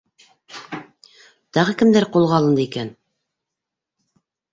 Тағы кемдәр ҡулға алынды икән?